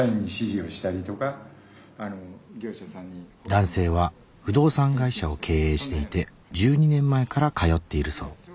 男性は不動産会社を経営していて１２年前から通っているそう。